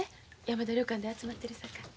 山田旅館で集まってるさかい。